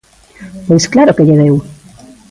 ¡Pois claro que lle deu!